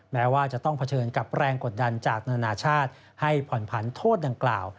แม้ว่าจะต้องเผชิญกับแรงกดดันจากนานาชาติให้ผ่อนผันโทษดังกล่าว